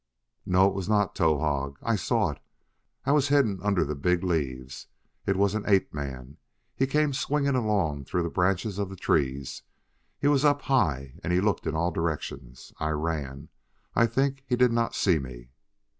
"No! It was not Towahg. I saw it. I was hidden under the big leaves. It was an ape man. He came swinging along through the branches of the trees: he was up high and he looked in all directions. I ran. I think he did not see me.